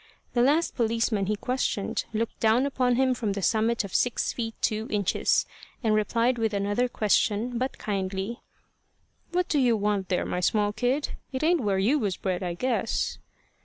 The last policeman he questioned looked down upon him from the summit of six feet two inches, and replied with another question, but kindly: "What do you want there, my small kid? It ain't where you was bred, I guess."